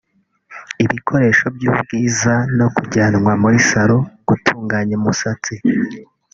ibikoresho by’ubwiza no kujyanwa muri Salon gutunganya umusatsi